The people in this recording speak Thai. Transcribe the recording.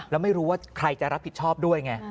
แล้วไม่รู้ว่าใครจะรับผิดชอบด้วยไง